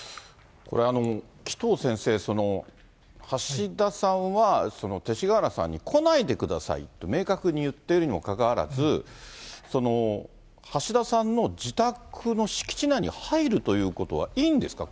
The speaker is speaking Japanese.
これ、紀藤先生、橋田さんは勅使河原さんに来ないでくださいと明確に言ってるにもかかわらず、橋田さんの自宅の敷地内に入るということは、いいんですか？